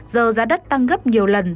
giờ giá đắt tăng gấp nhiều lần